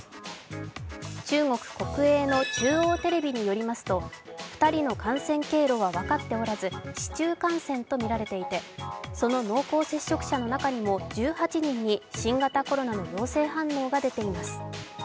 中国国営の中央テレビによりますと、２人の感染経路は分かっておらず、市中感染とみられていて、その濃厚接触者の中にも１８人に新型コロナの陽性反応が出ています。